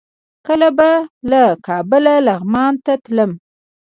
کله به له کابله لغمان ته تللم.